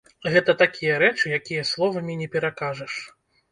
Гэта такія рэчы, якія словамі не перакажаш.